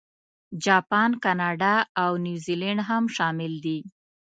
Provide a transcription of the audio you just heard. جاپان، کاناډا، او نیوزیلانډ هم شامل دي.